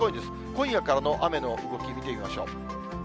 今夜からの雨の動き、見てみましょう。